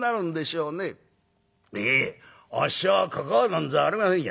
『いいえあっしはかかあなんざありませんよ』